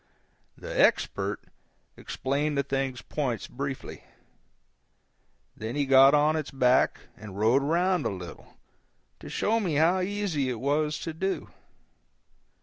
The Expert explained the thing's points briefly, then he got on its back and rode around a little, to show me how easy it was to do.